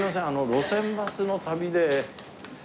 『路線バスの旅』で。